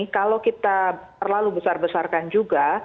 kalau kita terlalu besar besarkan juga